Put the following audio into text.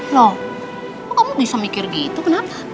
loh kok kamu bisa mikir gitu kenapa